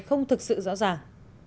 không thực sự rõ ràng